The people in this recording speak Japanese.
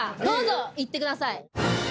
どうぞいってください。